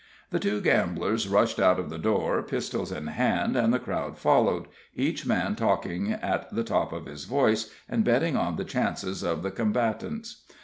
The two gamblers rushed out of the door, pistols in hand, and the crowd followed, each man talking at the top of his voice, and betting on the chances of the combatants.